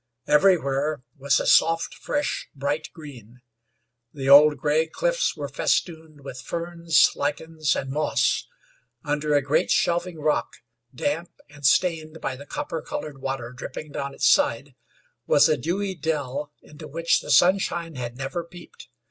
Everywhere was a soft, fresh, bright green. The old gray cliffs were festooned with ferns, lichens and moss. Under a great, shelving rock, damp and stained by the copper colored water dripping down its side, was a dewy dell into which the sunshine had never peeped.